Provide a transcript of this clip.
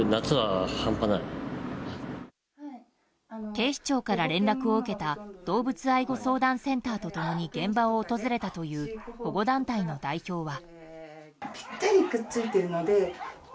警視庁から連絡を受けた動物愛護相談センターと共に現場を訪れたという保護団体の代表は。